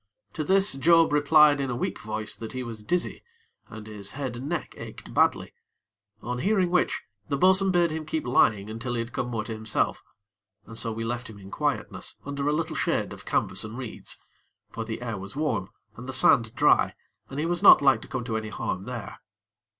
To this Job replied in a weak voice that he was dizzy and his head and neck ached badly, on hearing which, the bo'sun bade him keep lying until he had come more to himself. And so we left him in quietness under a little shade of canvas and reeds; for the air was warm and the sand dry, and he was not like to come to any harm there.